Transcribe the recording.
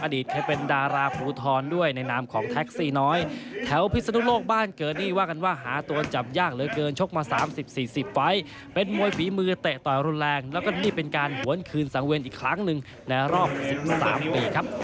เคยเป็นดาราภูทรด้วยในนามของแท็กซี่น้อยแถวพิศนุโลกบ้านเกิดนี่ว่ากันว่าหาตัวจับยากเหลือเกินชกมา๓๐๔๐ไฟล์เป็นมวยฝีมือเตะต่อยรุนแรงแล้วก็นี่เป็นการหวนคืนสังเวนอีกครั้งหนึ่งในรอบ๑๓ปีครับ